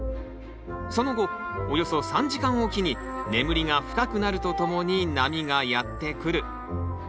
その後およそ３時間おきに眠りが深くなるとともに波がやってくる。